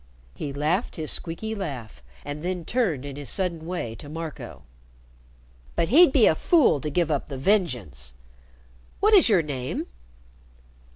He laughed his squeaky laugh, and then turned in his sudden way to Marco: "But he'd be a fool to give up the vengeance. What is your name?"